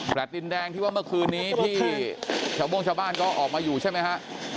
แสดดินแดงที่ว่าเมื่อคืนนี้ดรคัทรวานที่เขากำลังแสดดินแดงชาวบ้านก็ออกมาอยู่ใช่มั้ยฮะ